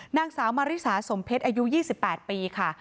นางสาวมาริสาสมเพชรอายุ๒๘ปีค่ะ